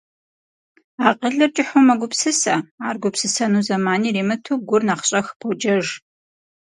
Акъылыр кӀыхьу мэгупсысэ, ар гупсысэну зэман иримыту гур нэхъ щӀэх поджэж.